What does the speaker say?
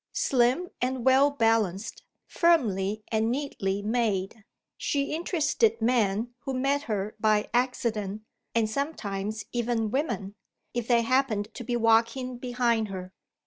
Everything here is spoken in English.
Slim and well balanced, firmly and neatly made, she interested men who met her by accident (and sometimes even women), if they happened to be walking behind her.